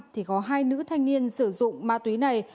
thì có hai nữ thanh niên sử dụng ma túy này